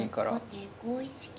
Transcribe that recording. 後手５一金。